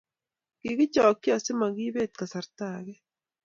Kigichokchi asi makibet kasarta ake.